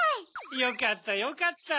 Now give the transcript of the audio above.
よかったよかった！